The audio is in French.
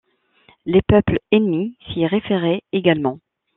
Les peuples ennemis s'y référaient également.